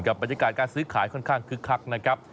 บรรยากาศการซื้อขายค่อนข้างคึกคักนะครับ